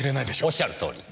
おっしゃるとおり！